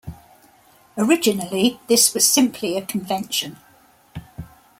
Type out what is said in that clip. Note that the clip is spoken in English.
Originally this was simply a convention.